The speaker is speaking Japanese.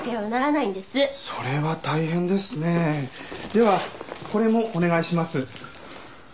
ではこれもお願いします。